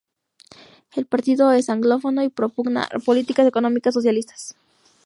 El partido es anglófono y propugna políticas económicas socialistas.